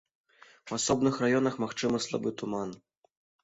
У асобных раёнах магчымы слабы туман.